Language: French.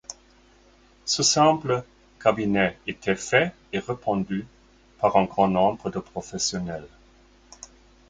Ce simple cabinet était fait et répandu par un grand nombre de professionnels.